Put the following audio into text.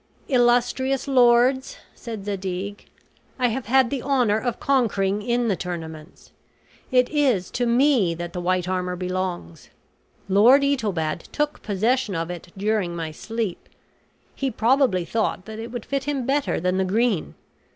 "Illustrious lords," said Zadig, "I have had the honor of conquering in the tournaments. It is to me that the white armor belongs. Lord Itobad took possession of it during my sleep. He probably thought that it would fit him better than the green.